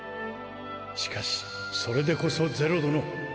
しかしそれでこそ是露殿。